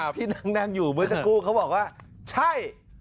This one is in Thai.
ที่นั่งอยู่เมื่อสักครู่เขาบอกว่าใช่